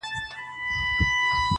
• داسي قبـاله مي په وجـود كي ده.